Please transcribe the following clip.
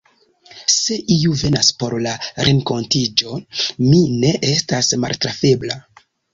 Se iu venas por la renkontiĝo, mi ne estas maltrafebla.